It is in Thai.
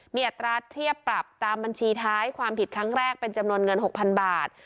มีอัตราเทียบปรับตามบัญชีท้ายความผิดครั้งแรกเป็นจำนวนเงิน๖๐๐๐บาท